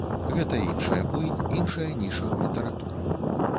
Гэта іншая плынь, іншая ніша ў літаратуры.